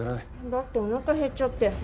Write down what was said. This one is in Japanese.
だっておなか減っちゃって。